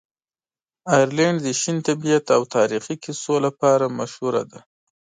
آیرلنډ د شین طبیعت او تاریخي کیسو لپاره مشهوره دی.